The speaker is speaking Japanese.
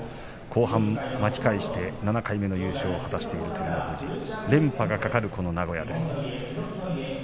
後半巻き返して７回目の優勝を果たしている照ノ富士連覇が懸かるこの名古屋です。